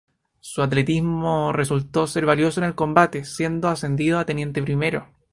Su atletismo resultó ser valioso en el combate, siendo ascendido a teniente primero.